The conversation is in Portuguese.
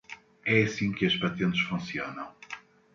É assim que as patentes funcionam.